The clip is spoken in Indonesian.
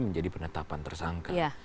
menjadi penetapan tersangka